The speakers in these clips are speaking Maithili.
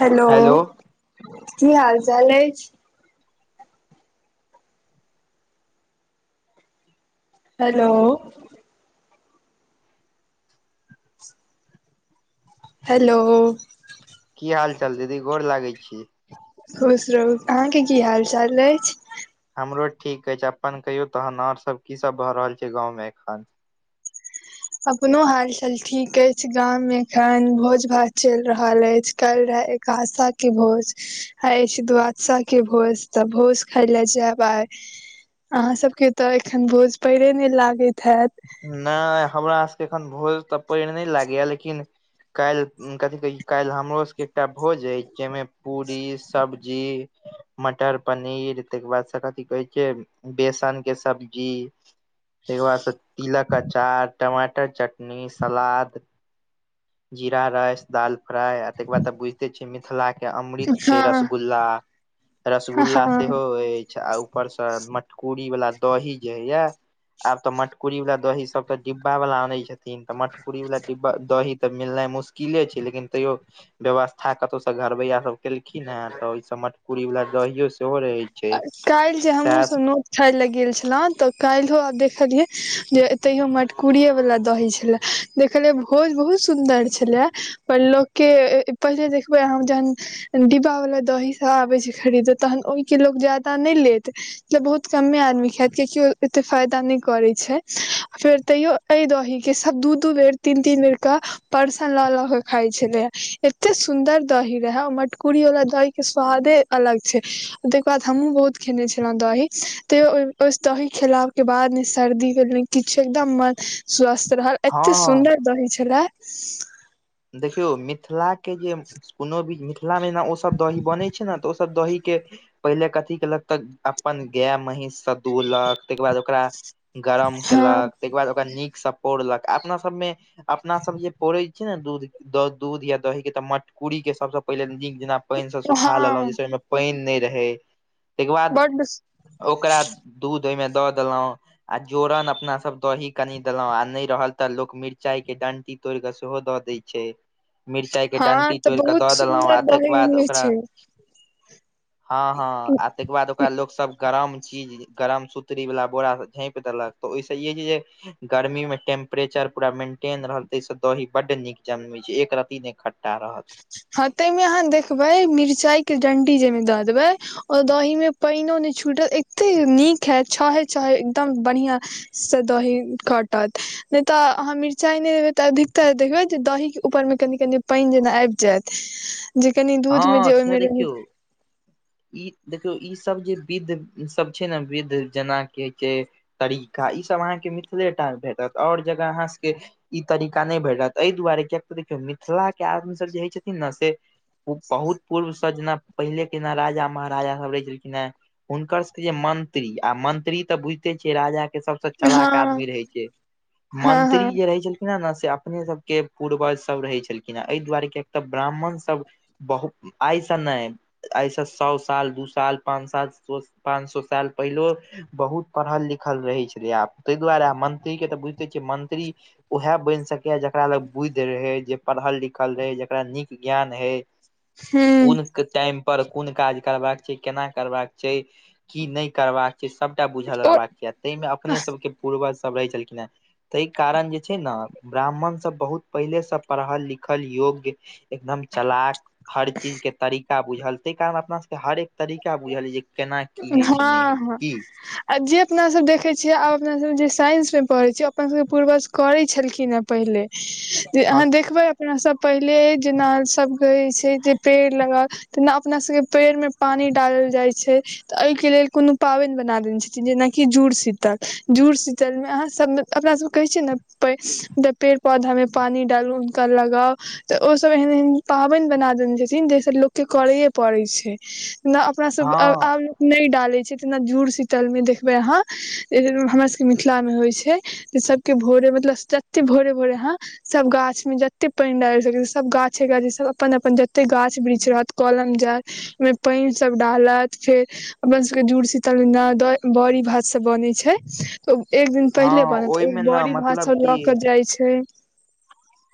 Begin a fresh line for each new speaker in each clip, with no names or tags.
हेलो की हाल-चाल अइछ हैलो हैलो
की हाल-चाल दीदी गोर लागै छी
खुश रहू अहाँके की हाल-चाल अइछ
हमरो ठीक अइछ अपन कहियौ तहन और सब की सब भऽ रहल छै गाँंव में एखन
अपनो हालचाल ठीक अइछ गाम में एखन भोज-भात चइल रहल अइछ कैल रहै एकादसा के भोज आइ अइछ दुवादशा के भोज तऽ भोज खाय लै जैब आइ अहाँ सबके तऽ एखन भोज पइरे नै लागैत हैत
नै हमरासबके एखन भोज तऽ पइर नै लागैया लेकिन कैल कथि कहै कैल हमरो सबके एकटा भोज अइछ जय में पूरी, सब्जी, मटर पनीर ताहि के बाद कथी कहै छै बेसन के सब्जी तय के बाद स, तिलक अचार टमाटर चटनी, सलाद, जीरा राइस, दाल फ्राय आ तय के बाद तऽ बुझते छियै मि थला के अमृत छै
हँ
रसगुल्ला, रसगुल्ला
हँ
सेहो अइछ आ उ ऊपर से मटकूरी वाला दही जे होइया आब तऽ मट कुरी वला दही सब तऽ डिब्बा वला आनै छथिन त मटकुरी वला डिब्बा दही त मिलनाइ मुश्किल कीले छै लेकिन तैयो व्यवस्था कतहुसँ घरबैया सब केलखिन हे तऽ ओहिस मटकूरी वला दहियो सेहो रहे छै
काल्हि जे हमहुँ
सएह
सब नोत खाय लए गेल छलौं तऽ काल्हियो आब देखलियै जे एतहियो मटकुरिये वला दही छले देखलियै भोज बहुत सुन्दर छलै पर लोकके पहिले देखबै अहाँ जहन डिब्बावला दही सभ आबैत छै खरीदो तहन ओहिके लोक ज्यादा नहि लेत मतलब बहुत कमे आदमीे खैत कियाकि ओ एते फायदा नहि करै छै फेर तैयो एहि दही के सब दू दू बेर तीन तीन बेर के परसन लऽ ल के खाय छलैया एते सुन्दर दही रहै ओ मट कूड़ीवला दही के स्वादे अलग छै ताहिके बाद हमहहुँ बहुत खेने छलहुँ दही तैयो ओ बस दही खेलके बाद सर्दी भेल ने किछ एकदम मन स्वस्थ रहल एते
हँ
सुन्दर दही छलै
देखियौ मिथिलाके जे कोनो भी मिथिलामे ने ओसभ दही बनै छै ने तऽ ओसभ दही के पहिले कथी केलक तऽ अपन गाय महींष दुहलक ताहिके बाद ओकरा गरम केलक
हँ
ताहिके बाद ओकरा नीकसँ पौढ़लक अपना सबमे अपना सब जे पौढ़ै छै ने दू दूध या दही के तऽ मटकूरी के सबसँ पहिले नीक जेना पैइन से सुखा लेलौ
हँ
जैसे पैन नै रहै तैयके बाद
बड्ड
ओकरा दूध ओहिमे दऽ देलौ। आ जोरन अपना सब दही कनी देलो आ नै रहल तऽ लोक मिरचाई के डंटी तोड़ कऽ सेहो द दैय छै। मिरचायके
हँ
डण्टी
तऽ
तोड़ कऽ
बहुत
दऽ देलौ
सुन्दर
आ तैय के
दही
बाद
होइ
ओकरा
छै
हँ हँ आ तैय के बाद ओकरा लोक सब गरम चीज गरम सूतीरीबला बोरा सँ झाँप देलक तऽ ओहिसँ ई होइ छै जे गर्मी में टे्प्रेचर पूरा मेंटेन रहल तैय सँ दही बड नीक जन्मै छै एक रति ने खट्ठटा रहत।
हँ ताहिमे आहाँ देखबै मिरचाई के डण्डी जाहिमे दऽ देबै। ओय दही मे पैनओ नै छूटल एतेक नीक हेएत छहे- छहे एकदम बढ़िआँ। सँ दही कटत नहि तऽ अहाँ मिरचाई नै देबेै तऽ अधिकतर देखबेै जे दही के ऊपर मे कनी- कनी पाइन जेना आइब जेएत जे कनि दूध
हँ
मे जे ओय
सएह
मे जे रहै
देखियौ ई देखियौ ई सब जे विध सब छै ने विध जेना के- के तरीका ईसब आहाँके मिथिलेटा मे भेटत और जगह आहाँ सबके ई तरीका नै भेटत एहि दुआरे कियक तऽ देखियौ मिथिला के आदमी सब जे होइ छथिन ने से ओ बहुत पूर्वसँ जेना पहिलेके जेना राजा महाराजा सभ रहै छलखिन हेँ। हुनकर सबके जे मंत्री आ मंत्री तऽ बुझिते छियै राजा के सब चलाक
हँ
आदमी रहै छै
हँ
मंत्री
हँ
जे रहै छै। [unintelligible] से अपने सबके पूर्वज सब रहै छेलखिन हें एहि दुआरे कि तऽ ब्राह्मण सब बहुत आय सँ नै ऐसा सअ सौ साल दू साल, पाँच साल, पाँच सौ साल पहिलो बहुत पढ़ल लिखल रहै छेलै आब ताहि दुआरे मंत्री के तऽ बुझिते छियै मंत्री। उएह बैन सकैए जेकरा लग बुद्धि रहै, जे पढ़ल लिखल रहै, जकरा नीक ज्ञान है।
थे।
कोन टाइम पर कोन काज करबाका छै केना करबाका छै की नै करबाक से सबटा बुझल
ओ
रहबाक यऽ ताहिमे अपने सबके पूर्वजसब रहै छलखिन हेँ। तैय कारण जे छै ने ब्राह्मण सब बहुत पहिलेसँ पढ़ल लिखल योग्य एकदम चलाक हर चीज के तरीका बुझल तेै कारण अपना सब हरेक तरीका बुझल अइ जे केना की
हँ'
होइ छै नहि होइ छै
हँ
की
आ जे अपनासब देखै छियै आब अपना सब जे साइंस मे पढ़ै छियै अपना सबके पूर्वज करै छेलखिन हेँ पहिले जे
हँ
आहाँ देखबै अपना सब पहिले जना सह कहै छैय जे पेड़ लगा तेना अपना सबके पेड़ मे पानी डालल जाइ छैय। तऽ एहिके लेल कोनो पाबैन बना देने छथिन जेनाकि जुड़ शीतल जुड़ शीतलमे अहाँसबमे अपना सब के कहै छियै ने पे पेड़ पौधा मे पानी डालू हुनका लगाउ। तऽ ओ सब एहन -एहन पाबैन बना देने छथिन जाहिसँ लोककेँ करैए पड़ै छैय जेना अप अपना सब अब
हँ
आब नै डालै छथिन जुड़ शीतलमे देखबै आहाँ हमरा सबके मिथिलामे होय छैय तऽ सब के भोरे मतलब जते भोरे- भोरे आहाँ? सब गाछ में जते पैन डैल सकै सब गाछे- गाछ सब अपन अपन जते गाछ वृक्ष रहत कलम मे पेैन सब डालत फेर अपना सबके जूड़ शीतल दीना जना बड़ी भात सब बनै छैय। तऽएक दिन
हँ
पहिले बनत ओ
ओहिमे ने
बड़ी
मतलब
भाता लऽ कऽ जाइ छैय।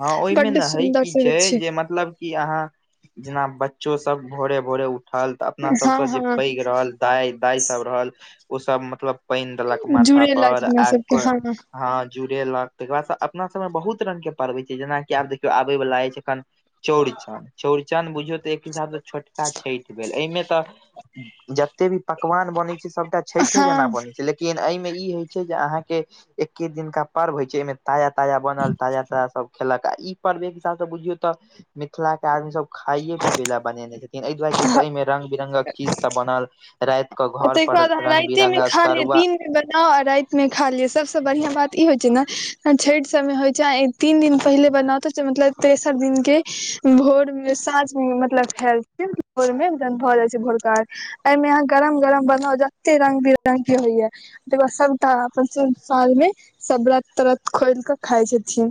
हाँ ओहिमे ने हइ की
से होइ
छैय
छै
जे मतलब। कि अहाँ जना बच्चो सब भोरे भोरे उठल तऽ अपना
हँ
सबस जे
हँ
पैघ रहल। दाइ दाइ सब रहल ओ सब मतलब पानि देलक माथा
जुड़ेलथि
पर
अपना
आब
सबके
क।
हँ
हाँ जुड़ेलक तकर बाद अपना सबमे बहुत रंग के पर्व हो छैय जनाकि आब देखियौ आबै वला अछि एखन। चौड़चन चौड़चन बुझियौ तऽ एक हिसाबसँ छोटका छठि भेल एहिमे तऽ। जते भी पकवान बनै छैय सबटा छठे जना
हँ
बनै छैय लेकिन एहि मे ई होय छैय जे अहाँ के एके दिनका पर्व होय छैय एमे ताजा ताजा बनल ताजा। ताजा सब खेलक आ ई पर्वे एक हिसाब से बुझियौ तऽ मिथिला के आदमी सब। खाइए पीबे ल बनेने छथिन एहि दुआरे क एहिमे रंग बिरंगगक चीज सब बनल रात। कऽ
आ
घोर
ताहिके
पर
बाद अहाँ
रंग
रातिमे
बिरंगक
खा लिअ
तरुआ।
दिनमे बनाउ आ राति में खा लिआ सबस बढ़ियां बात ई होइ छैय नहि छठि सब मे होइ छैय। तीन दिन पहिले बनात छैय मतलब तेसर दिन के भोर मे साँझमे मतलब खाइल छैय। भोर मे भऽ जाय छैय भोरका एहिमे यहाँ गरम गरम। बना जते रंग बिरंगग के होइया त बाद सब तऽ अपन सब साँझ मे सब व्रत त्रत खोल कऽ खाइ छथिन।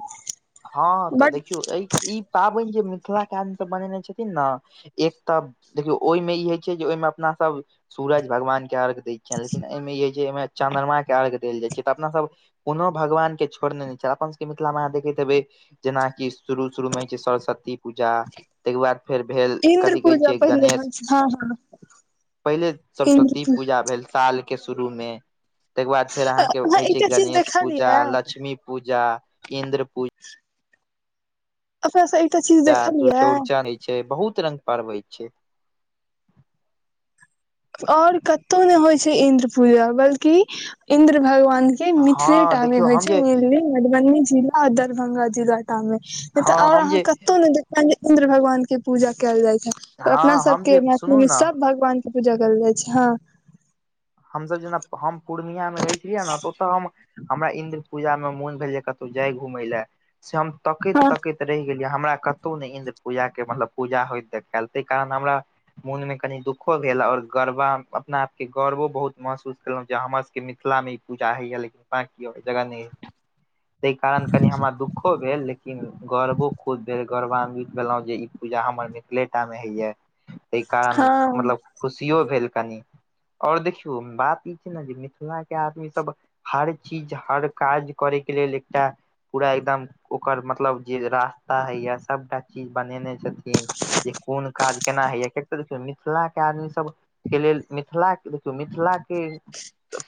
हाँ तऽ
बट
देखियौ एहि ई पाबनि जे मिथिलाके आदमीसँभ बनेने छथिन न। एक तऽ देखियौ ओहिमे ई होय छैय जे ओहिमे अपना सब सूरज भगवान के अर्घ देय छिएन लेकिन एहिमे जे छै एहिमे चंद्रमा के अर्घ देल जाय छैय तऽ अपना सब कुनु भगवान के छोड़ने ने छैय अपन सब के मिथिला देखे दखबे जनाकि शुरू शुरू मे होइ छैय सरस्वती पूजा। ताहिके बाद फेर भेल
इन्द्र
कथि कहै
पूजा
छियै
पहिले
गणेश
होइ छै हँ हँ
पहिले सरस्वती पूजा भेल साल के शुरूमे। तके बाद फेर अहाँके
अहाँ
होइ छैय
एकटा चीज
गणेश पूजा
देखलियै
लक्ष्मी पूजा इन्द्र पूजा।
[inaudible] अच्छा अच्छा एकता चीज।
दू
देखलियै
चौड़चन होय छैय बहुत रंग पर्व होइ छैय।
आओर कतहु ने होइ छैय इंन्द्र पूजा बल्कि इन्द्र भगवान
हँ
मिथिलेटामे
देखियौ
होइ
हम
छैय
जे
मधुब मधुबनी जिला दरभंगा जिला टा मे नहि तऽ
हँ
और
हम
अहाँ
जे
कतौ नहि इन्द्र भगवान के पूजा कइल जाय छैय अपना
हँ
सब
हम
के
जे
मैथिल
सुनू
मे
ने
सब भगवान के पूजा करल जाइ छैय हाँ।
हमसँभ जना हम पूर्णियामे रहै छलियै न तऽ ओतय हम। हमरा इन्द्र पूजामे मोन भेल जे कतहु जाय घुमय लए से हम तकैत
हँ
तकैत। ऽ रहि गेलियै हमरा कतहु ने इन्द्र पूजाके मतलब पूजा होइत तल ताहि कारण हमरा। मोनमे कनि दुःखो भेल आओर गरबा अपना आपके गौरवो। बहुत महसूस केलहुं जे हमर सबके मिथिला मे ई पूजा होया लेकिन बांकी आओर जगह नय तय कारण कनि हमरा दुखो भेल लेकिन गर्वो खुब भेल। गौरवान्वित भेलहुँ जे ई पूजा हमर मिथिले टा मे होइए तैय कारण
हँ
मतलब खुशियो भेल कनी आओर देखियौ बात ई छै ने जे मिथिलाके आदमीसभ। हर चीज हर काज करैके लेल एकटा। पूरा एकदम ओकर मतलब जे रास्ता हे या सबटा चीज बनेने छै। छैथिन जे कोन काज केना होइय कऽ देखियौ। मिथिला के आदमी सब के लेल मिथिला देखियौ मिथिला के।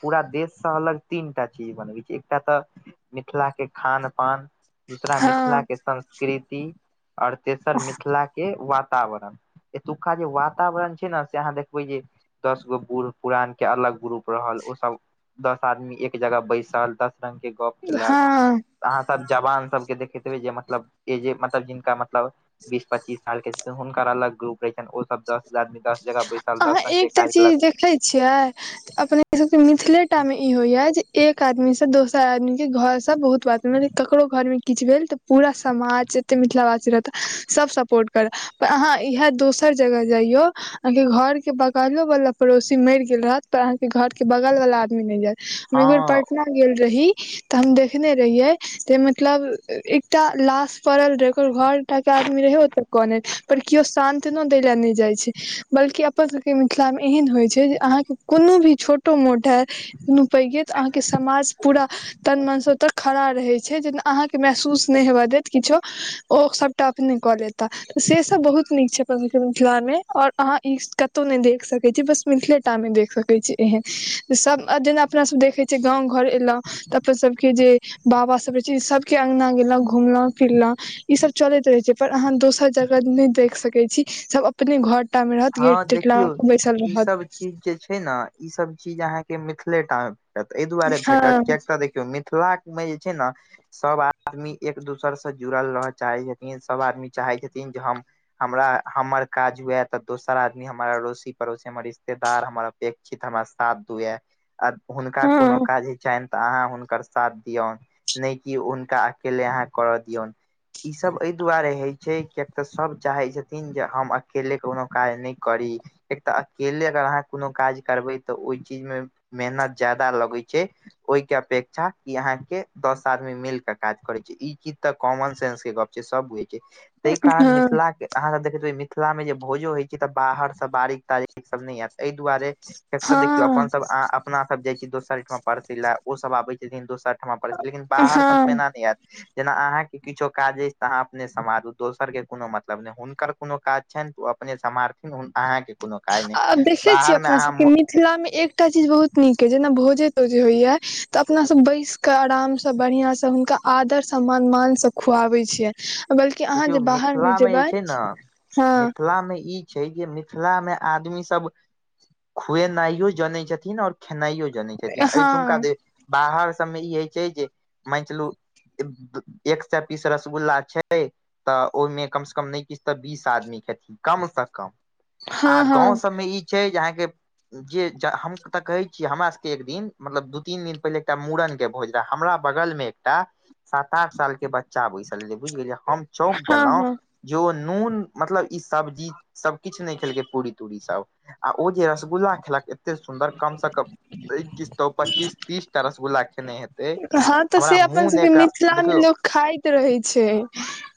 पूरा देशसँ अलग तीन टा चीज बनबै छै, एकटा तऽ। मिथिला के खान-पान। दूसरा मिथिला के
हँ
संस्कृति, और तेसर मिथिला के। के वातावरण एतुका जे वातावरण छै, ने से अहाँ देखबै जे दस गो बूढ़। पुरान के अलग ग्रुप रहल, ओ सब दस आदमी एक जगह बैसल दस रंग के। केलक
हँ
अहाँ सब जवान सबके देखेबै, जे मतलब ए जे मतलब जिनका मतब। मतलब बीस पच्चीस साल के हुनकर अलग ग्रुप रहे छनि, ओ सब दस हजारमी।
अहाँ एकटा चीज देखैत छियै। अपने सबके मिथिलेटा में ई होइया जे एक आदमीसँ, दोसर आदमीके घरसँ बहुत बात म। ककरो घरमे किछु भेल, तऽ पूरा समाज जते मिथिलावासी रहतै, सब सपोर्ट। कर पर अहाँ इएह दोसर जगह जइयौ। आं के घर के बगलो वाला पड़ोसी मरि गेल रहत, पर आहं के घर के बगल वाल आदमी न जायत। हम एकबर
हँ
पटना गेल रही। तऽ हम देखने रहियै, जे मतलब एकटा लाश पड़ल रहै, ओकर घर। के आदमी रहै, ओतऽ कने पर केओ शान्त न दै ले नहि जाइ छै। बल्कि अपन सभके मिथिलामे एहन होइत छै, जे अहाँके कोनो भी छोट मोटा। नुपैै तऽ अहाँके समाज पूरा। तन मनसँतऽ खड़ा रहै छै, जेतना अहाँके महसूस नहि हवा देत किछो ओ सब। टॉप कऽ लेता से सब बहुत नीक छै, प के मिथिला मे और अहाँ। ई कत ने देख सके छी, बस मिथिले टा में देख सके छी, एहेन सब जेना। अपना सब देखे छिय, गाँव घर एल। तऽ अपन सबके जे बाबा सब रहे छै, सबके अंगना गेलं घूमल फिरल। ई सब चलैत रहे छै, पर अहाँ दोसर जगह नहि देख सके छी, सब अपने घर टा मे रह।
हँ देखियौ ई सब चीज जे छै ने। ई सब चीज अहाँ के मिथिलेटा में भेटत, एहि दुआरे भेटत
हँ
कियक त देख। देखौ मिथिला मे जे छै ने। सभ आदमी एक दोसरसँ जुड़ल रहय चाहै छथिन, सभ आदमी चाहै छथिन जे हम। हमरा हमर काज हुएत। तऽ दोसर आदमी हमर अड़ोसी पड़ोसी हमर रिश्तेदार, हमर अपेक्षित हमरा साथ धुए। आ हुनका कोनो
हँ
काज हो छैन। तऽ अहाँ हुनकर साथ दियऔन, नहि कि हुनका अकेले अहाँ करऽ दियऔन। इ सब ए दुआरे हे छै, कियक ते सब चाहे छथिन जे हम अकेले। कोनो काज नहि करी। एक तऽ अकेले अगर अहाँ, कोनो काज करबै तऽ ओहि, चीजमे मेहनत जादा लगैत छै। ओहि के अपेक्षा इअहाँ के दस आदमी मिल के काज करै छै, ई चीज तऽ कॉमन सेंस के गप। सब बुझै छै। ताहि कारण मिथिला के अहाँ सब देखबै, मिथिला मे जे भोजो होइ छै, तऽ बाहरसँ बारीक तारीक सब नहि आयत। एहि दुआरे किएक तऽ देखियौ अपन
हँ
सब आ। अपना सब जाय छै, दोसर ठमा परसे ले ओ सब आबे छथिन दोसर। ठमा पड़ै छै, लेकिन बाहर सब मे
हँ
एना नहि आयत। जेना अहा के किछो काज अछि, तऽ अहाँ अपने सम्हारु दोसर के कोनो मतलब नहि, हुनकर कोनो काज छनि वो अ। अपने समारथिन हुनका, अहाँके कोनो काज नहि
आब देखै छियै
बाहर मे
अपना
अहाँ
सबके
मु।
मिथिला मे एकटा चीज बहुत नीक, अय जेना भोजे तोजे होइया तऽ अपना सब बैस। के आरामसँ बढ़िआं से हुनका, आदर सम मान मानसँ खुआबै छियैन।
देखियौ मिथिलामे जे छै, ने
हँ
मिथिला मे ई। छैहे कि जे मिथिला मे आदमी सब खुएनाइयो जनै छथिन और खेनाइयो जनै छथिन एहिठुमका
हँ
दे बाहर सबमें ई होइ छै जे मानि चलु एक सेए पीस रसगुल्ला छै तऽ ओहिमे कमसँ - कम नहि किछ तऽ बीस आदमी खेथिन कमसँ- कम। आ
हँ
गाँव
हँ
सभमे ई छै जे अहाँके जे ज हम तऽ कहै छी हमरा सबके एक दिन मतलब दू तीन दिन पहिले एकटा मूड़न के भोज हमरा बगल में एकटा सात आठ साल के बच्चा बैसल बुझि गेलियै। हम चौंक
हँ
गेलहुँ
हँ
जे ओ नून मतलब ई सब्जी सब किछ नहि खेलकै पूरी तूरी सब, आ ओ जे रसगुल्ला खेलक एते सुन्दर कम से कम नै किछ त पच्चीस तीस टा रस गुल्ला खेने हेएत।
हँ तऽ से अपन सबके मिथिला मे
देखियौ
लोक खाइ त रहै छै,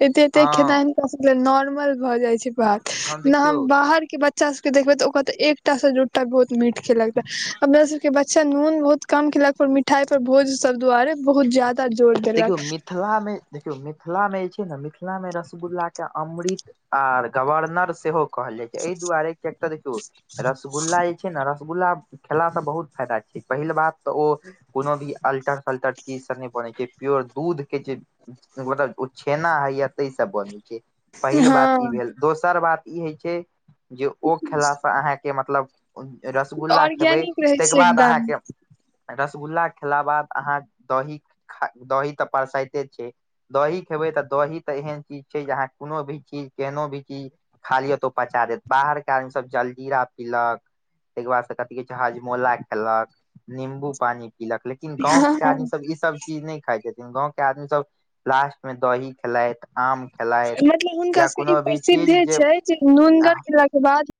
एते एते
हँ
खेनाइ हिनका सब ले नॉर्मल भऽ जाय छै बात।
हँ
न
देखियौ
हम बाहर के बच बच्चा सब के देखबै तऽ ओ कहत एकटा से दू टा बहुत मीठ खेलक ते अपना सब के बच्चा नून बहुत कम खेलक पर मिठाई पर भोज सब दुआरे बहुत ज्यादा जोर
देखियौ
देलक
मिथिला मे देखियौ मिथिला मे जे छै ने मिथिला मे रसगुल्ला के अमृत आर गवर्नर सेहो कहल जाइ छै एहि दुआरे किएक त देखियौ रसगुल्ला जे छै ने रसगुल्ला खेला सँ बहुत फायदा छै। पहिल बात तऽ ओ कोनो भी अलटर सलटर चीज से नै बनै छै। प्योर दूध के जे मतलब ओ छेना हइए तैय से बनै छै पहिल
हँ
बात ई भेल दोसर बात ई होइ छै जे ओ खेला से अहाँके मतलब रसगुल्ला खेबै
ऑर्गेनिक रहे
तहिके
छै
बाद
एकदम
अहाँके रसगुल्ला खेला बाद अहाँ दही खा दही तऽ परसायते छै। दही खेबै तऽ दही तऽ एहन चीज छै जे अहाँ कोनो भी चीज केहनो भी चीज खाल लिय तऽ पचा देत बाहरके आदमी सभ जल जीरा पीलक, तहिके बाद से कथी कहै छै हाजमोला खेलक नींबू पानी पीलक लेकिन लेकिन गाँंव
हँ
के
हँ
आदमी सब ई सब चीज नहि खाय छथिन गाँंव के आदमी सब लास्ट मे दही खेलथि, आम खाइले।
मतलब हुनका सभके ई प्रसिद्धे छै जे नूनगर खेलाके बाद